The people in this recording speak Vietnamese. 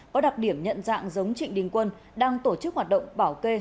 có đặc điểm nhận dạng giống trịnh đình quân đang tổ chức hoạt động bảo kê